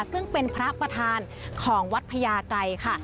ซึ่งเป็นพระประธานของวัดพญาไกรค่ะ